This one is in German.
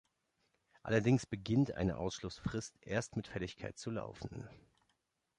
Allerdings beginnt eine Ausschlussfrist erst mit Fälligkeit zu laufen.